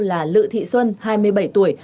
là lự thị xuân hai mươi bảy tuổi